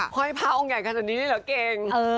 ห้อยพาองค์ใหญ่จากนี้ได้หรอเก่ง